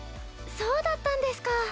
そうだったんですか。